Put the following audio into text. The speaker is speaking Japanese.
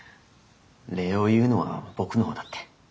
礼を言うのは僕の方だって。